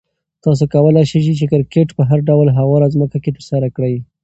تاسو کولای شئ چې کرکټ په هر ډول هواره ځمکه کې ترسره کړئ.